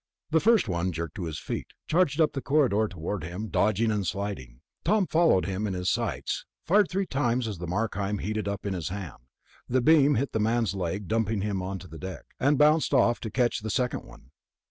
The first one jerked to his feet, charged up the corridor toward him, dodging and sliding. Tom followed him in his sights, fired three times as the Markheim heated up in his hand. The beam hit the man's leg, dumping him to the deck, and bounced off to catch the second one.